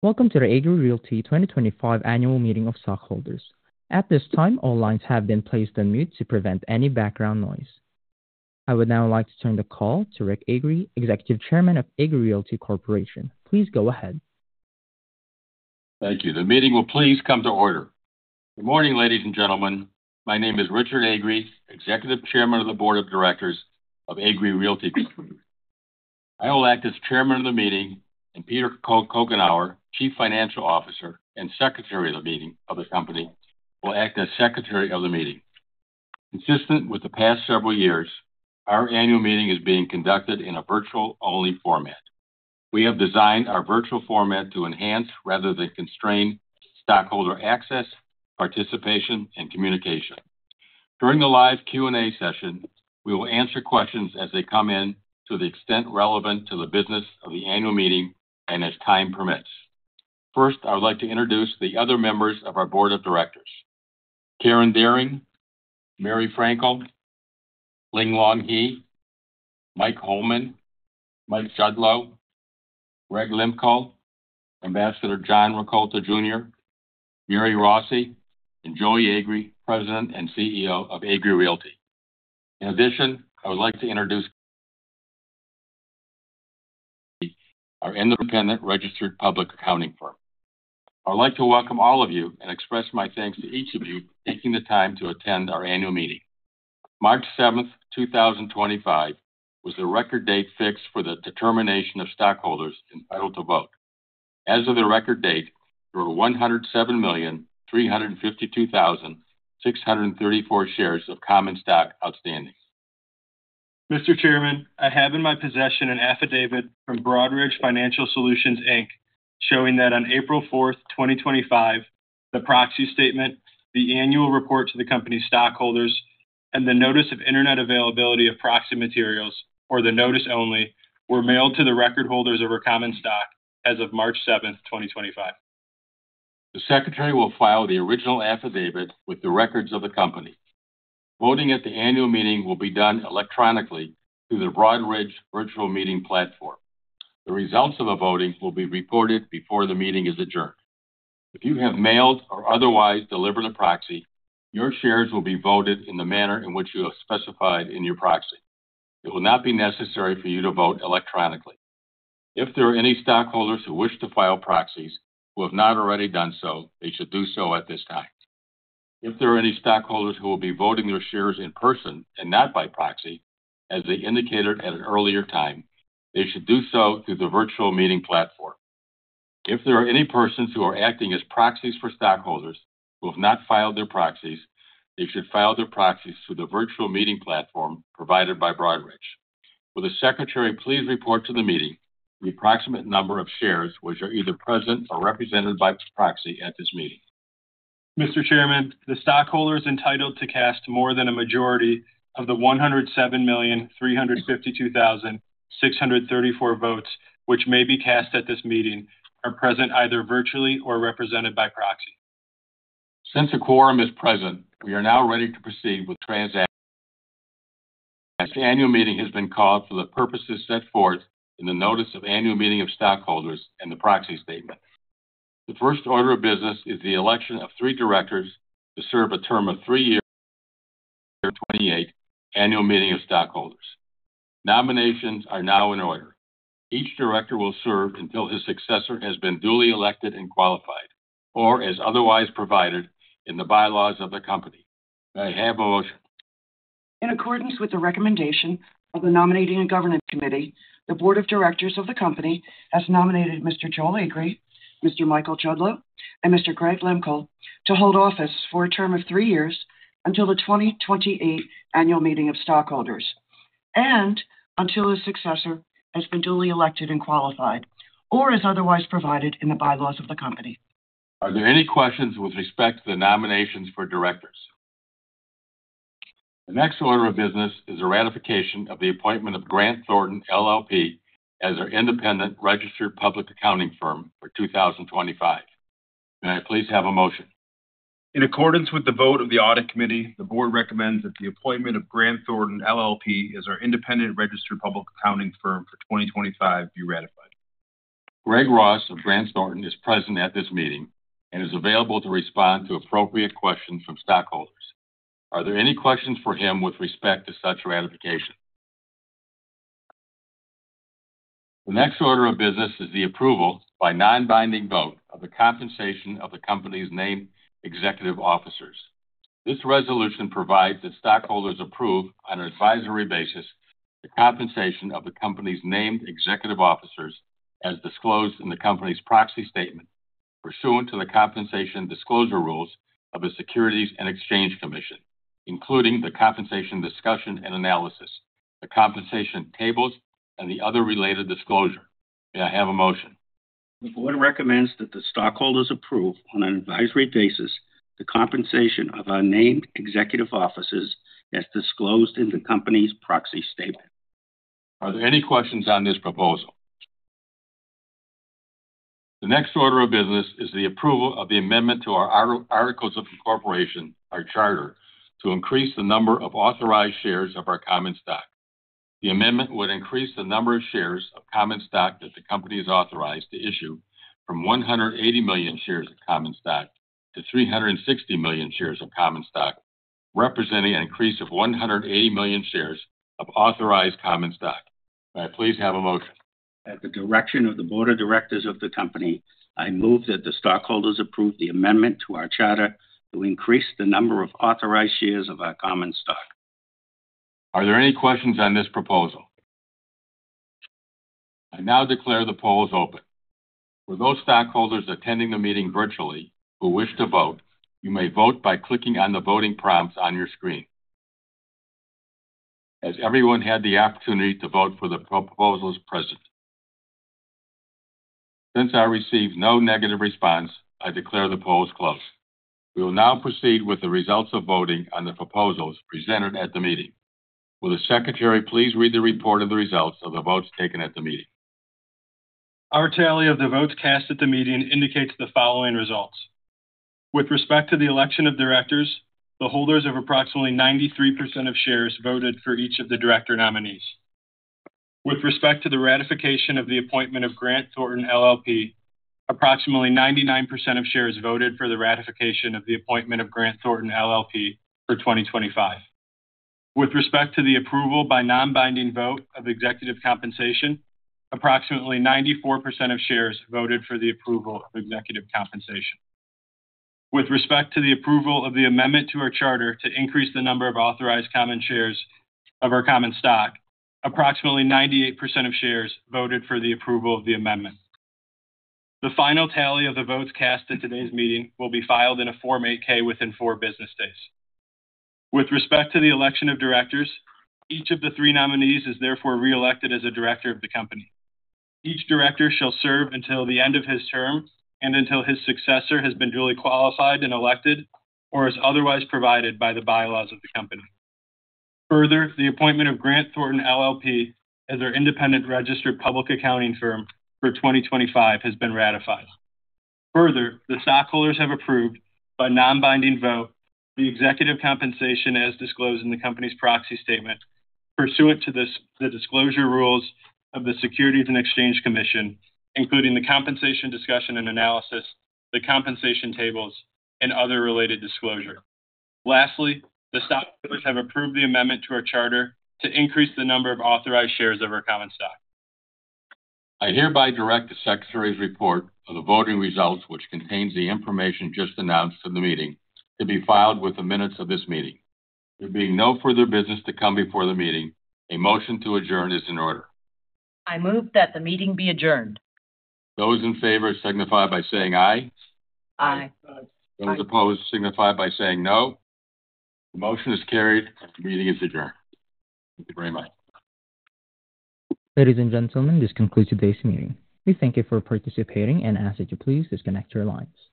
Welcome to the Agree Realty 2025 Annual Meeting of Stockholders. At this time, all lines have been placed on mute to prevent any background noise. I would now like to turn the call to Rick Agree, Executive Chairman of Agree Realty Corporation. Please go ahead. Thank you. The meeting will please come to order. Good morning, ladies and gentlemen. My name is Richard Agree, Executive Chairman of the Board of Directors of Agree Realty. I will act as Chairman of the Meeting, and Peter Coughenour, Chief Financial Officer and Secretary of the Meeting of the Company, will act as Secretary of the Meeting. Consistent with the past several years, our annual meeting is being conducted in a virtual-only format. We have designed our virtual format to enhance rather than constrain stockholder access, participation, and communication. During the live Q&A session, we will answer questions as they come in to the extent relevant to the business of the annual meeting and as time permits. First, I would like to introduce the other members of our Board of Directors: Karen Deering, Mary Frankel, Ling Longhi, Mike Holman, Mike Judlow, Greg Limpko, Ambassador John Roccola Jr., Mary Rossi, and Joey Agree, President and CEO of Agree Realty. In addition, I would like to introduce our independent registered public accounting firm. I would like to welcome all of you and express my thanks to each of you for taking the time to attend our annual meeting. March 7, 2025, was the record date fixed for the determination of stockholders entitled to vote. As of the record date, there were 107,352,634 shares of common stock outstanding. Mr. Chairman, I have in my possession an affidavit from Broadridge Financial Solutions, Inc, showing that on April 4, 2025, the proxy statement, the annual report to the company's stockholders, and the notice of internet availability of proxy materials, or the notice only, were mailed to the record holders of our common stock as of March 7, 2025. The Secretary will file the original affidavit with the records of the company. Voting at the annual meeting will be done electronically through the Broadridge virtual meeting platform. The results of the voting will be reported before the meeting is adjourned. If you have mailed or otherwise delivered a proxy, your shares will be voted in the manner in which you have specified in your proxy. It will not be necessary for you to vote electronically. If there are any stockholders who wish to file proxies who have not already done so, they should do so at this time. If there are any stockholders who will be voting their shares in person and not by proxy, as they indicated at an earlier time, they should do so through the virtual meeting platform. If there are any persons who are acting as proxies for stockholders who have not filed their proxies, they should file their proxies through the virtual meeting platform provided by Broadridge. Will the Secretary please report to the meeting the approximate number of shares which are either present or represented by proxy at this meeting? Mr. Chairman, the stockholders entitled to cast more than a majority of the 107,352,634 votes which may be cast at this meeting are present either virtually or represented by proxy. Since the quorum is present, we are now ready to proceed with transactions. This annual meeting has been called for the purposes set forth in the notice of annual meeting of stockholders and the proxy statement. The first order of business is the election of three directors to serve a term of three years, 2028, annual meeting of stockholders. Nominations are now in order. Each director will serve until his successor has been duly elected and qualified, or as otherwise provided in the bylaws of the company. May I have a motion? In accordance with the recommendation of the Nominating and Governance Committee, the Board of Directors of the Company has nominated Mr. Joey Agree, Mr. Michael Judlow, and Mr. Greg Limpko to hold office for a term of three years until the 2028 annual meeting of stockholders, and until his successor has been duly elected and qualified, or as otherwise provided in the bylaws of the company. Are there any questions with respect to the nominations for directors? The next order of business is the ratification of the appointment of Grant Thornton, LLP, as our independent registered public accounting firm for 2025. May I please have a motion? In accordance with the vote of the Audit Committee, the Board recommends that the appointment of Grant Thornton, LLP, as our independent registered public accounting firm for 2025 be ratified. Greg Ross of Grant Thornton is present at this meeting and is available to respond to appropriate questions from stockholders. Are there any questions for him with respect to such ratification? The next order of business is the approval, by non-binding vote, of the compensation of the company's named executive officers. This resolution provides that stockholders approve, on an advisory basis, the compensation of the company's named executive officers, as disclosed in the company's proxy statement, pursuant to the compensation disclosure rules of the Securities and Exchange Commission, including the compensation discussion and analysis, the compensation tables, and the other related disclosure. May I have a motion? The Board recommends that the stockholders approve, on an advisory basis, the compensation of our named executive officers, as disclosed in the company's proxy statement. Are there any questions on this proposal? The next order of business is the approval of the amendment to our Articles of Incorporation, our charter, to increase the number of authorized shares of our common stock. The amendment would increase the number of shares of common stock that the company is authorized to issue from 180 million shares of common stock to 360 million shares of common stock, representing an increase of 180 million shares of authorized common stock. May I please have a motion? At the direction of the Board of Directors of the Company, I move that the stockholders approve the amendment to our charter to increase the number of authorized shares of our common stock. Are there any questions on this proposal? I now declare the poll is open. For those stockholders attending the meeting virtually who wish to vote, you may vote by clicking on the voting prompts on your screen. Has everyone had the opportunity to vote for the proposals present? Since I received no negative response, I declare the poll is closed. We will now proceed with the results of voting on the proposals presented at the meeting. Will the Secretary please read the report of the results of the votes taken at the meeting? Our tally of the votes cast at the meeting indicates the following results. With respect to the election of directors, the holders of approximately 93% of shares voted for each of the director nominees. With respect to the ratification of the appointment of Grant Thornton, LLP, approximately 99% of shares voted for the ratification of the appointment of Grant Thornton, LLP, for 2025. With respect to the approval by non-binding vote of executive compensation, approximately 94% of shares voted for the approval of executive compensation. With respect to the approval of the amendment to our charter to increase the number of authorized common shares of our common stock, approximately 98% of shares voted for the approval of the amendment. The final tally of the votes cast at today's meeting will be filed in a Form 8-K within four business days. With respect to the election of directors, each of the three nominees is therefore re-elected as a director of the company. Each director shall serve until the end of his term and until his successor has been duly qualified and elected, or as otherwise provided by the bylaws of the company. Further, the appointment of Grant Thornton, LLP, as our independent registered public accounting firm for 2025 has been ratified. Further, the stockholders have approved, by non-binding vote, the executive compensation as disclosed in the company's proxy statement, pursuant to the disclosure rules of the Securities and Exchange Commission, including the compensation discussion and analysis, the compensation tables, and other related disclosure. Lastly, the stockholders have approved the amendment to our charter to increase the number of authorized shares of our common stock. I hereby direct the Secretary's report of the voting results, which contains the information just announced in the meeting, to be filed with the minutes of this meeting. There being no further business to come before the meeting, a motion to adjourn is in order. I move that the meeting be adjourned. Those in favor signify by saying aye. Aye. Those opposed signify by saying no. The motion is carried and the meeting is adjourned. Thank you very much. Ladies and gentlemen, this concludes today's meeting. We thank you for participating and ask that you please disconnect your lines.